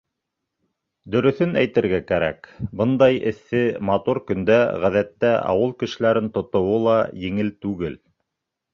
Дөрөҫөн әйтергә кәрәк, бындай эҫе, матур көндә, ғәҙәттә, ауыл кешеләрен тотоуы ла еңел түгел.